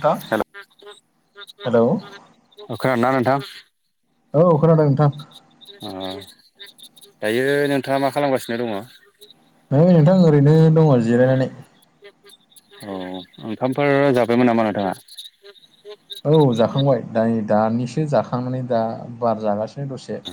नोंथां हेलव अ खोनादोना हेलौ औ नोंथां? औव, खोनादों नोंथां। ओ दायो नोंथांङा मा खालामगासिनो दङो? ओव, नोंथां ओरैनो दङो जिरायनानै। ए [unintelligible] ओव, ओंखामफोर जाबायमोन नामा नोंथांङा? उ [unintelligible] औव, जाखांबाय नै दानिसो जाखांनानै दा, बार जागासिनो दसे। [inaudible]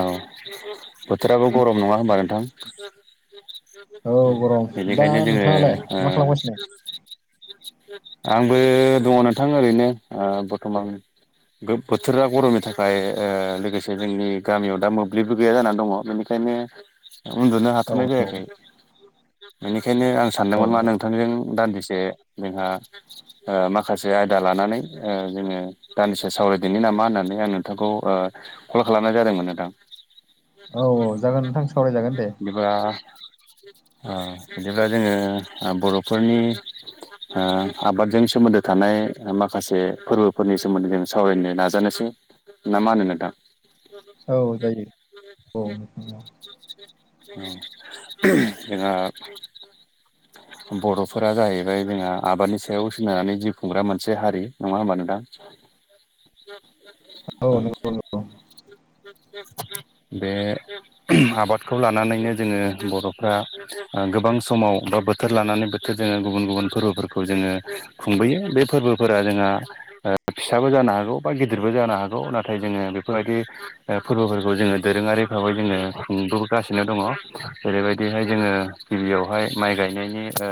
औव। बोथोराबो गरम नङा होनोमबा नोंथां? औ गरम [inaudible] दा बेनिखायनो जोंङो नोंथाङालाय ओ मा खालामगासिनो आंबो दङो नोंथां ओरैनो बर्थमान। बोथोरा गरमनि थाखाय ओ लोगोसे जोंनि गामियाव दा मोब्लिबबो गैया जानानै दङो। बेनिखायनो उन्दुनो औ हाथ'नाय औ जायाखै। बेनिखायनो आं औ सानदोंमोन मा नोंथांजों दान्दिसे जोंहा- ओ माखासे आयदा लानानै जोंङो दाननैसे सावरायदोनि नामा होननानै आं नोंथांखौ ओ कल खालामनाय जादोंमोन नोंथां। औव, औव जागोन नोंथां सावरायजागोन दे। ओ बिदिब्ला, जोंङो बर'फोरनि ओ आबादजों सोमोन्दो थानाय माखासे फोरबोफोरनि सोमोन्दै सावरायनो नाजानोसै ना मा होनोनोंथां? औ जायो औ [inaudible] जोंहा [inaudible] बर'फोरा जाहैबाय जोंहा आबादनि सायाव सोनारनानै जिउ खुंग्रा मोनसे हारि नङा होमबा नोंथां? [inaudible] औ नंगौ नंगौ बे आबादखौ लानानैनो जोंङो बर'फ्रा गोबां समाव बा बोथोर लानानै बोथोर जोंङो गुबुन-गुबुन फोरबोफोरखौ जोंङो खुंबोयो। बे फोरबोफोरा जोंहा फिसाबो जानो हागौ बा गिदिरबो जानो हागौ, नाथाय जोंङो बेफोरबायदि फोरबोफोरखौ जोंङो दोरोंङारि भाबै जोंङो खुंबोगासिनो दङो। जेरै बायदिहाय जोंङो गिबियावहाय माइ गायनायनि ओ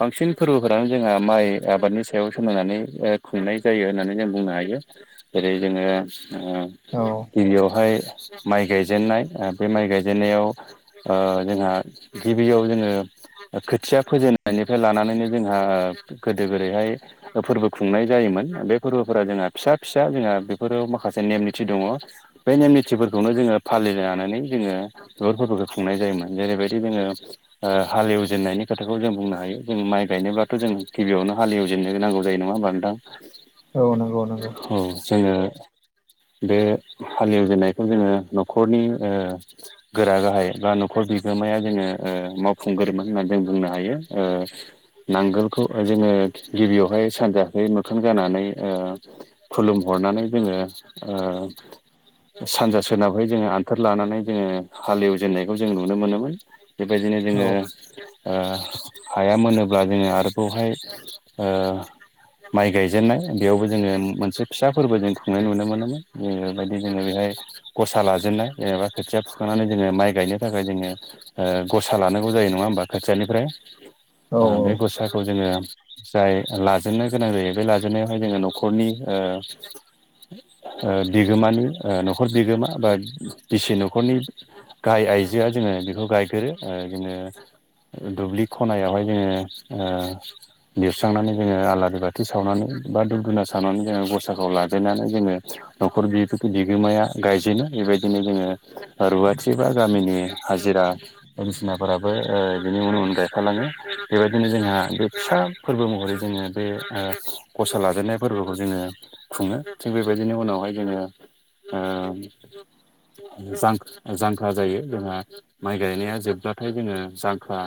बांसिन फोरबोफोरानो जोंहा माइ आबादनि सायाव सोनारनानै ओ खुंनाय जायो होननानै जों बुंनो हायो। जेरै- जोंङो औ गबियावहाय माइ गायजेननाय, बे माइ गायजेननायाव ओ जोंहा गिबियाव जोंङो खोथिया फोजेननायनिफ्राय लानानैनो जोंहा गोदो-गोदोहाय फोरबो खुंनाय जायोमोन। बे फोरबोफोरा जोंहा फिसा-फिसा जोंहा बेफोराव माखासे नेम-निथि दङ। बे नेम निथिफोरखौनो जोंङो फालिनानै जोंङो [unintelligible] बिगार फोरबोफोरखौ खुंनाय जायोमोन। जेरैबायदि जोंङो ओ हाल एजेननायनि खोथाखौ जों बुंनो हायो। जों माइ गायनोब्लाथ' जोंङो गिबियावनो हाल ऐव जिनो नांगौ जायो नङा होमबा नोंथां औ नंगौ नंगौ उम जोङो। बे हालेवजेननायखौ जोङो न'खरनि ओ गोरा गाहाय बा न'खर बिगोमाया जोङो ओ मावफुंगोरोमोन होनना जों बुंनो हायो ओ नांगोलखौ ओ जोङो गिबियावहाय सानजाखै मोखां जानानै ओ खुलुमहरनानै जोङो ओ सानजा सोनाबहाय जोङो आन्थोर लानानै जोङो हालेवजेननायखौ जों नुनो मोनोमोन। बेबायदिनो औ जोङो ओ हाया मोनोब्ला जोङो आरोबावहाय ओ माइ गायजेननाय बेयावबो जोङो मोनसे फिसा फोरबो जों खुंनाय नुनो मोनोमोन ओ बेबायदि जोङो बेहाय गसा लाजेननाय जेनेबा खोथिया फुखांनानै जोङो माइ गायनो थाखाय जोङो ओ गसा लानांगौ जायो नङा होमबा खोथियानिफ्राय। औ ओ बे गसाखौ जोङो जाय लाजेननो गोनां जायो बे लाजेननायाव बेय जोङो न'खरनि ओ ओ बिगोमानि ओ न'खर बिगोमा बा बिसि न'खरनि गाय आइजोआ जोङो बेखौ गायगोरो ओ बिदिनो दुब्लि खनायावहाय जोङो ओ लिरस्रांनानै जोङो आलारि बाथि सावनानै बा दुब दुना सानानै जोङो गरसाखौ लादेरनानै जोङो न'खर बिहथुथ बिगोमाया गायजेनो बेबायदिनो जोङो रुवाथि बा गामिनि हाजिरा बायदिसिनाफोराबो ओ बिनि उनाव उनाव गायफालाङो बेबायदिनो जोंहा बे फिसा फोरबो महरै जोङो बे ओ गसा लाजेननाय फोरबोखौ जोङो खुङो थिग बेबायदिनो उनावहाय जोङो ओ जां जांख्रा जायो जोंहा माइ गायनाया जोबब्लाथाय जोङो जांख्रा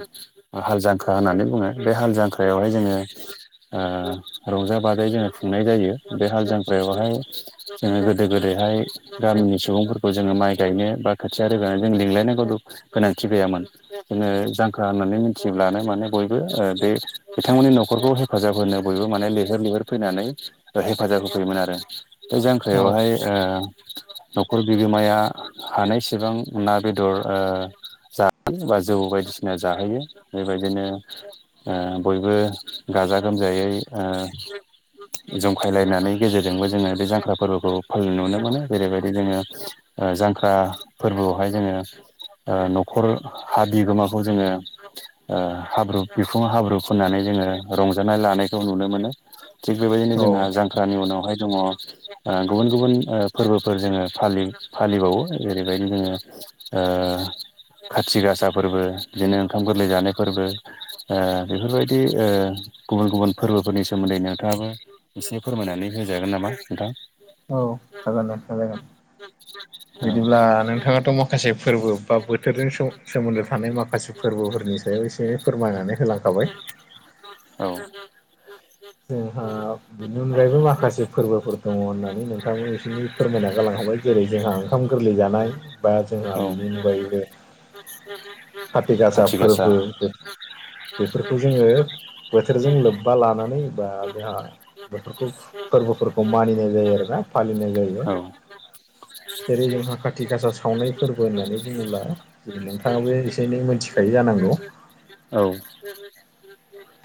ओ हाल जांख्रा होननानै बुङो बे हाल जांख्रायावहाय जोङो ओ रंजा बाजायै जोङो खुंनाय जायो बे हाल जांख्रायावहाय जोङो गोदो गोदायहाय गामिनि सुबुंफोरखौ जोङो माइ गायनो बा खोथिया रोगानो जों लिंलायनांगौनि गोनांथि गैयामोन। जोङो जांख्रा होननानै मिथियोब्लानो माने बयबो ओ बे बिथांमोननि न'खरखौ हेफाजाब होनो बयबो माने लैहोर लैहोर फैनानै हेफाजाब होफैयोमोन आरो बे औ जांख्रायावहाय ओ न'खर बिगोमाया हानायसेबां ना बेदर ओ जा बा जौ बायदिसिना जाहोयो बेबायदिनो ओ बयबो गाजा गोमजायै ओ जंखायलायनानै गेजेरजोंबो जोङो बे जांख्रा फोरबोखौ फालि नुनो मोनो जेरैबायदि जोङो ओ जांख्रा फोरबोआवहाय जोङो ओ न'खर हा बिगोमाखौ जोङो ओ हाब्रु बिखुं हाब्रु फुननानै जोङो रंजानाय लानाय जों नुनो मोनो थिग बेबायदिनो जोंहा जांख्रानि उनावहाय दङ ओ गुबुन गुबुन ओ फोरबोफोर जोङो फालि फालिबावो जेरैबायदिनो जोङो ओ खाथि गासा फोरबो बिदिनो ओंखाम गोरलै जानाय फोरबो ओ बेफोरबायदि ओ गुबुन-गुबुन फोरबोफोरनि सोमोन्दै नोंथाङाबो एसे फोरमायनानै होजागोन नामा नोंथां? औ जागोन नोंथां जागोन बिदिब्ला नोंथाङाथ' मा माखासे फोरबो बा बोथोरजों सोम सोमोन्दो थानाय माखासे फोरबोफोरनि सायाव एसे फोरमायनानै होलांखाबाय। औ म [inaudible] जोंहा बेनि अनगायैबो माखासे फोरबोफोर दङ होननानै नोंथांमोन बिसोरनि फोरमायना गालांखांबाय जेरै जोंहा ओंखाम गोरलै जानाय बा जोंहा बिनि अनगायैबो बस [unintelligible] हााथ गासा फोरबो बेफोरखौ जोङो बोथोरजों लोब्बा लानानै बा जोंहा बेफोरखौ फोरबोफोरखौ मानिनाय जायो आरोना। फालिनाय जायो। औ जेरै जोंहा खाथि गासा सावनाय फोरबो होननानै बुङोब्ला जेरै नोंथाङाबो एसे एनै मोनथिखायो जानांगौ [unintelligible] औ।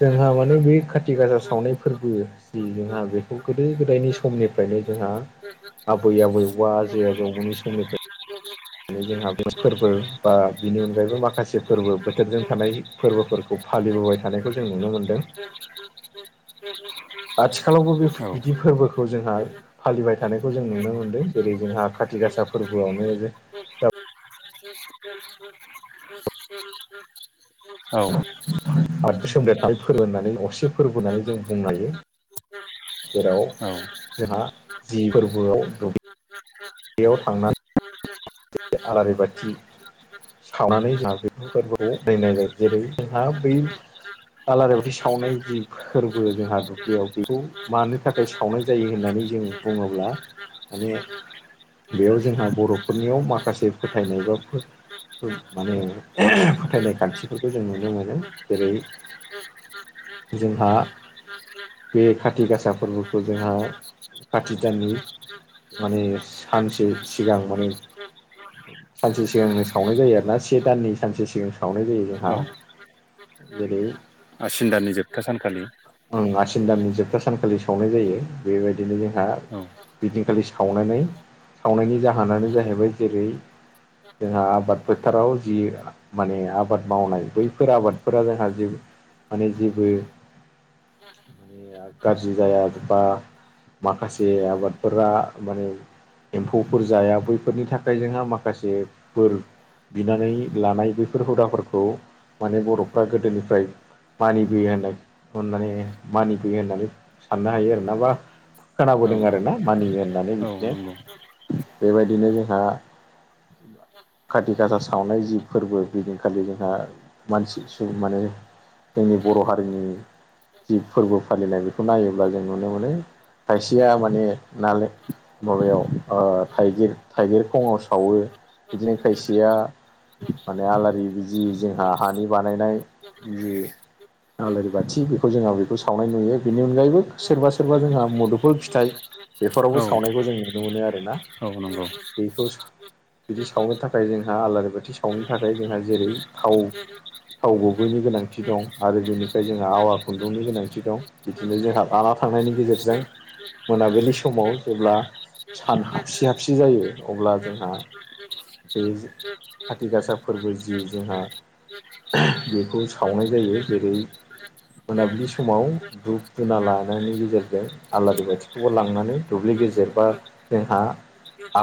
जोंहा माने बे खाथि थि गासा सावनाय फोरबो जि जोंहा बेखौ गोदो गोदायनि समनिफ्रायनो जोंहा आबै आबौ बा [unintelligible] [unintelligible] माने जोंहा बे फोरबो बा बिनि अनगायैबो माखासे फोरबो बोथोरजों थानाय फोरबोफोरखौ फालिबोबाय थानायखौ जों नुनो मोनदों। [unintelligible] [unintelligible] [unintelligible] आथिखालावबो बे औ बिदि फोरबोखौ जोंहा फालिबाय थानायखौ जों नुनो मोन्दों। जेरै जोंहा खाथि गासा फोरबोआवनो जो औ। [unintelligible] आरो सोमदेरनाय फोरबो होननानै असे फोरबो होनानै जों बुंनो हायो। जेराव औ जोंहा जि गोरबोआव दु आलारि [unintelligible] बाथि सावनानै जोंहा बे फोरबोखौ [unintelligible] नायनाय जायो जेरै जोंहा बै आलारि बाथि [unintelligible] सावनाय जि फोरबो जोंहा दुब्लियाव बेखौ मानो थाखाय सावनाय जायो? होननानै जों बुङोब्ला माने [unintelligible] बेयाव जोंहा बर'फोरनियाव माखासे फोथायनाय बा माने फोथायनाय खान्थिफोरखौ जों नुनो मोनो। जेरै जोंहा बे खाथि [unintelligible] गासा फोरबोखौ जोंहा खाथि दाननि [unintelligible] माने सानसे सिगां माने [unintelligible] सानसे सिगांनो सावनाय जायो आरोना। से दाननि सानसे सिगां सावनाय जायो जोंहा। औ जेरै आसिन दाननि जोबथा सानखालि आसिन दाननि जोबथा सानखालि सावनाय जायो। बेबायदिनो जोंहा [unintelligible] ऐैदिनखालि सावनानै, सावनायनि जाहोनानो जाहैबाय जेरै जोंहा आबाद फोथाराव जि माने आबाद मावनाय बैफोर आबादफोरा जोंहा माने जेबो माया गाज्रि जाया बा, माखासे आबादफोरा माने एम्फौफोर जाया बैफोरनि थाखाय जोंहा माखासे बोर बिनानै लानाय बैफोर हुदाफोरखौ माने बर'फ्रा गोदोनिफ्राय मानिबोयो होननाय अनानै मानिबोयो होननानै साननो हायो आरो। माबा औ खोनाबोदों आरो ना मानियो होननानै औ बिदिनो। नंगौ बेबायदिनो जोंहा खाथि खाासा सावनाय जि फोरबो एैदिनखालि जोंहा मानसि माने जोंनि बर' हारिनि जि फोरबो फालिनाय बेखौ नायोब्ला जों नुनो मोनो। खायसेया माने नालें माबायाव थाइगिर, थाइगिर खङाव सावो बिदिनो खायसेया माने आलारि जि जोंहा हानि बानायनाय जि आलारि बाथिबो खौ जोंहा बेखौ सावनाय नुयो बेनि अनगायैबो सोरबा सोरबा जोंहा मुदुफोर फिथाइ बेफोरावबो औ सावनायखौ जों नुनो मोनो आरो ना औ नंगौ बेखौ बिदि सावनो थाखाय जोंहा आलारि बाथि सावनो थाखाय जोंहा जेरै थाव थाव गुबैनि गोनांथि दं आरो बेनिफ्राय जोङो आवार खुन्दुंनि गोनांथि दं बिदिनो जोंहा लाना थांनायनि गेजेरजों मोनाबिलि समाव जेब्ला सान हाबसि हाबसि जायो अब्ला जोंहा [unintelligible] बे हाथि गासा फोरबो जि जोंहा बेखौ सावनाय जायो जेरै [unintelligible] मोनाबिलि समाव दुप दुना लानायनि गेजेरजों आलारि बाथिखौबो लांनानै दुब्लि गेजेर बा जोंहा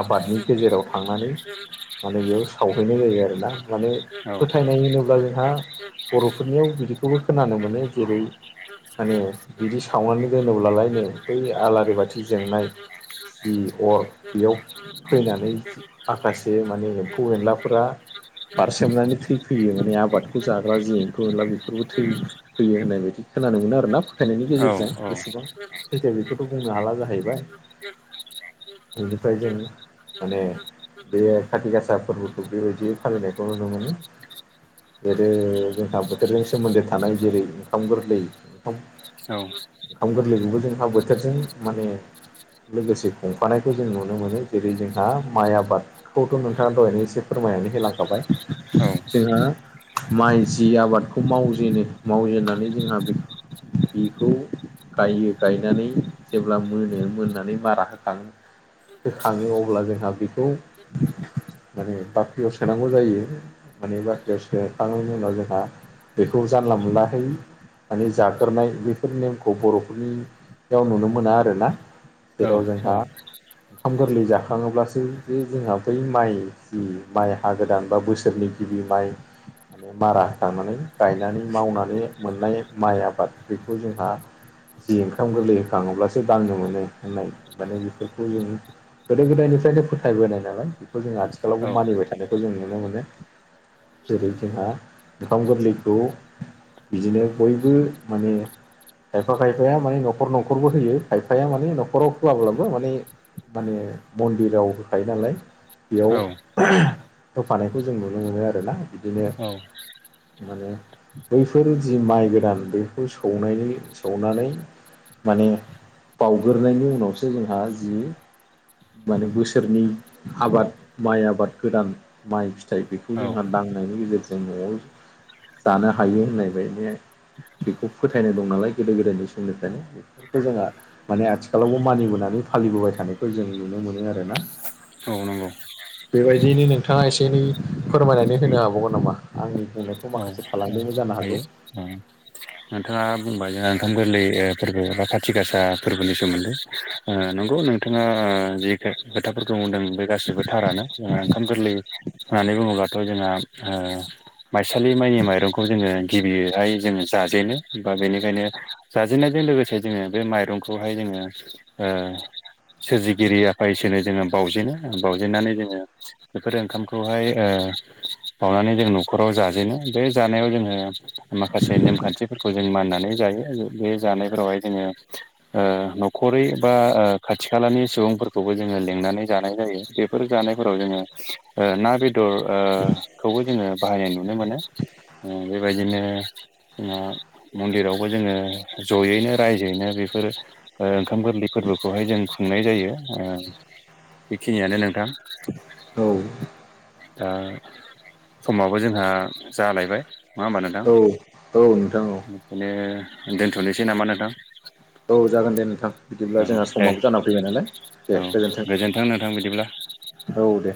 आबादनि गेजेराव थांनानै माने बेयाव सावहैनाय जायो आरोोना माने औ फोथायनाय होनोब्ला जोंहा बर'फोरनियाव बिदिखौबो खोनानो मोनो जेरै माने बिदि सावनानै दोनोब्लालायनो बै [unintelligible] आलारि बाथि जोंनाय जि अर [unintelligible] बेयाव फैनानै माखासे माने एम्फौ एनलाफोरा बारसेोमनानै थैफैयो माने आबादखौ जाग्रा जेख एनला बेफोरबो थैयो फैयो होननाय बायदि खोनानो मोनो आर ना फोथायनायनि औ गेजेरजों औ एसेबां थैखाया बेखौथ' बुंनो हाला जाहैबाय ए बेनिफ्राय जों ए माने बे खाथि गासा फोरबोखौ बेबायदि फालिनायखौ नुनो मोनो जेरै जोंहा बोथोरजों सोमोन्दो थानाय जेरै ओंखाम गोरलै ओंखाम औ ाम गोरलै गुबैजों हा बोथोरजों माने लोगोसे खुंफानायखौ जों नुनो मोनो जेरै जोंहा माइ आबाद खौथ' नोंथाङा दहायनो एसे फोरमायनानै होलांखाबाय औ जोंहा माइ जि आबादखौ मावजेनो मावजेननानै जोंहा बेखौ बेखौ गायो गायनानै जेब्ला मोनो मोननानै मारा होखां होखाङो अब्ला जोंहा बेखौ माने बाख्रियाव सोनांगौ जायो माने बाख्रियाव सोखांनायनि उनाव जोंहा बेखौ जानला मोनला होयो माने जाग्रोनाय बेफोर नेमखौ बर'फोरनियाव नुनो मोना आरोना औ जेराव जोंहा औ ओंखाम गोरलै जाखङोब्लासो बे जोंहा बै माइ जि माइ हा गोदान बा बोसोरनि गिबि माइ माने मारा होखांनानै गायनानै मावनानै मोननाय माइ आबाद बेखौ जोंहा जि ओंखाम गोरलै होखाङोब्लासो दांनो मोनो होननाय माने बेफोरखौ जों गोदो गोदायनिफ्रायनो फोथायबोनाय नालाय बेखौ जों औ आथिखालावबो मानिबाय थानायखौ जों नुनो मोनो जेरै जोंहा ओंखाम गोरलैखौ बिदिनो बयबो माने खायफा खायफाया माने न'खर न'खरबो होयो खायफाया माने न'खराव होवाबब्लाबो माने माने मन्दिराव होखायो नालाय औ बेयाव होफानायखौ जों नुनो मोनो आरोना बिदिनो माने बैफोर जि माइ गोदान बेखौ सौनायनि सौनानै माने बावग्रोनायनायनि उनावसो जोंहा जि माने बोसोरनि आबाद माइ आबाद गोदान माइ फिथाइ बेखौ जोंहा दांनायनि गेजेरजों न'आव जानो हायो होननाय बायदि बेखौ फोथायनाय दं नालाय गोदो गोदायनि सोमनिफ्रायनो बेफोरखौ जोंहा माने आथिखालावबो मानिबोनानै फालिबोबाय थानायखौ जों नुनो मोनो आरोना [unintelligible] बेबायदियनो नोंथाङा एसे एनै फोरमायनानै होनो हाबावगोन नामा आंनि बुंनायखौ माखासे थालां दोंबो जानो हागौ ओम नोंथाङा बुंबाय जोंहा ओंखाम गोरलै फोरबो एबा खाथि गासा फोरबोनि सोमोन्दै ओ नंगौ नोंथाङा जि खोथाफोरखौ बुंदों बे गासिबो थारानो जोंङी ओंखाम गोरलै होननानै बुङोब्लाथ जोंहा ओ माइसालि माइनि माइरंखौ जोङो गिबियैहाय जोङो जाजेनो बा बेनिखायनो जाजेनन्नायजों लोगोसे जोङो बे माइरंखौहाय जोङो ओ सोरजिगिरि आफा इसोरै जोङो बावजेनो बावजेननानै जोङो बेफोर ओंखामखौहाय ओ बावनानै जों नखराव जाजेनो बे जानायाव जोङो माखासे नेमखान्थिफोरखौ जों माननानै जायो बे जानायफोरावहाय जोङो ओ नखरै बा खाथि खालानि सुबुंफोरखौबो जोङो लिंनानै जानाय जायो बे जानायफ्राव जोंङो बेदर ओखौबो जोङो बाहायनाय नुनो मोनो ओ बेबायदिनो जोंहा मन्दिरावबो जोङो जयैनो रायजोयैनो बेफोर ओ ओंखाम गोरलै फोरबोखौहाय जों खुंनाय जायो ओ बेखिनियानो नोंथां औ ओ समावबो जोंहा जालायबाय औ औ नोंथां औ ओंखायनो दोनथनोसै नामा नोंथां औ जागोन दे नोंथां औ बिदिब्ला जोंहा दे समाबो जानानै फैबाय नालाय औ दे गोजोनथों गोजोन्थों नोंथां बिदिब्ला औ दे